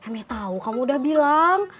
me tahu kamu sudah bilang